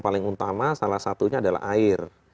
paling utama salah satunya adalah air